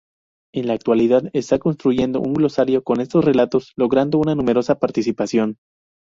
En la actualidad, está construyendo un glosario con estos relatos logrando una numerosa participación.